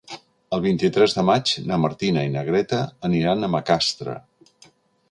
El vint-i-tres de maig na Martina i na Greta aniran a Macastre.